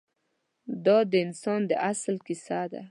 دا د انسان د اصل کیسه ده.